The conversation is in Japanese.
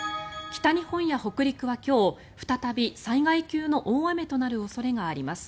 北日本や北陸は今日再び災害級の大雨となる恐れがあります。